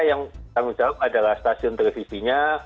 yang tanggung jawab adalah stasiun televisinya